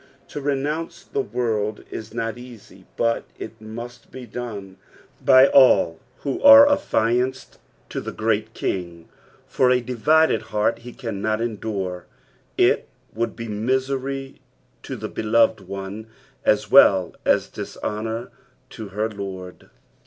To renounce the world is not easy, but it must bo done by all who are affianced to the Great King, for a divided heart he cannot endure ; it would be misery to the beloved one as well as dishonour to her Lord.